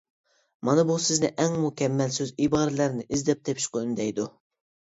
مانا بۇ سىزنى ئەڭ مۇكەممەل سۆز-ئىبارىلەرنى ئىزدەپ تېپىشقا ئۈندەيدۇ.